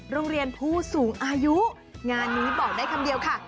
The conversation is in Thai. โรงเรียนผู้สูงอายุงานนี้บอกได้คำเดียวค่ะ